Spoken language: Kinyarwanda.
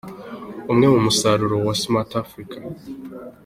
Umwe mu musaruro wa Smart Africa